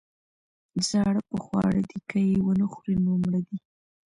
ـ زاړه په خواړه دي، که يې ونخوري نو مړه دي.